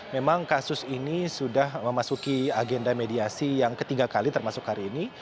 memang kasus ini sudah memasuki agenda mediasi yang ketiga kali termasuk hari ini